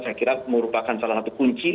saya kira merupakan salah satu kunci